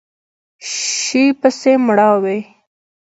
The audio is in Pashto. شي پسې مړاوی